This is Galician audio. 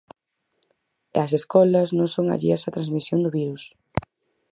E as escolas non son alleas á transmisión do virus.